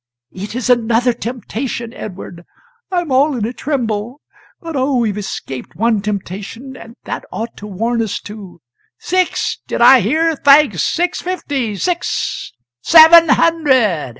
"] "It is another temptation, Edward I'm all in a tremble but, oh, we've escaped one temptation, and that ought to warn us, to ["Six did I hear? thanks! six fifty, six f SEVEN hundred!"